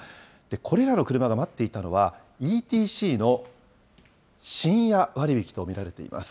これらの車が待っていたのは、ＥＴＣの深夜割引と見られています。